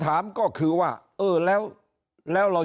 ถ้าท่านผู้ชมติดตามข่าวสาร